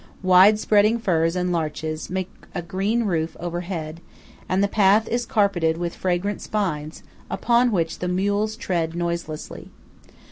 Wide spreading firs and larches make a green roof overhead, and the path is carpeted with fragrant spines upon which the mules tread noiselessly.